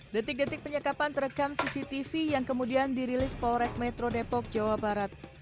detik detik penyekapan terekam cctv yang kemudian dirilis polres metro depok jawa barat